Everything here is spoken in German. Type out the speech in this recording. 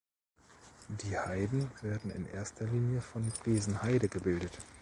Die Heiden werden in erster Linie von Besenheide gebildet.